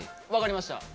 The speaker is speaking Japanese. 分かりました。